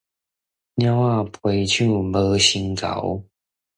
貓仔爬樹，無成猴